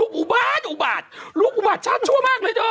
เป็นการกระตุ้นการไหลเวียนของเลือด